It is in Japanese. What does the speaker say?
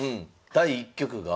第１局が？